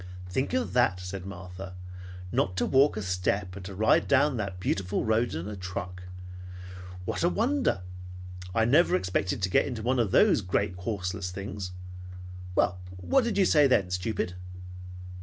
"Think of that!" said Martha. "Not to walk a step, and to ride down that beautiful road in a truck. What a wonder! I never expected to get into one of those great horseless things. Well, what did you say then, stupid?"